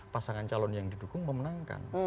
pasangan calon yang didukung memenangkan